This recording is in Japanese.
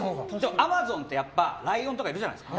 アマゾンってやっぱりライオンとかいるじゃないですか。